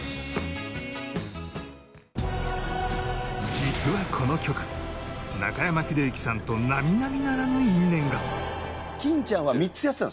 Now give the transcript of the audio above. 実はこの曲中山秀征さんと並々ならぬ因縁が